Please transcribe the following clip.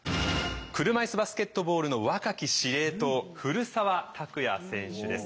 車いすバスケットボールの若き司令塔古澤拓也選手です。